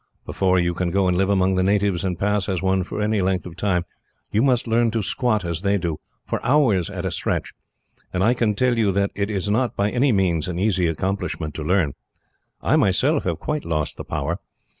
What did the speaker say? Before you can go and live among the natives, and pass as one for any length of time, you must learn to squat as they do, for hours at a stretch; and I can tell you that it is not by any means an easy accomplishment to learn. I myself have quite lost the power.